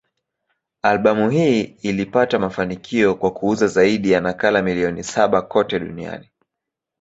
Albamu hii ilipata mafanikio kwa kuuza zaidi ya nakala milioni saba kote duniani.